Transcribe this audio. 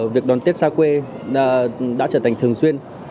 việc đón tết xa quê đã trở thành thường xuyên